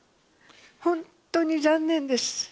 本当に残念です。